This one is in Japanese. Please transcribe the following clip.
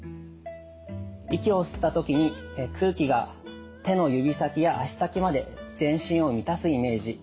息を吸った時に空気が手の指先や足先まで全身を満たすイメージ。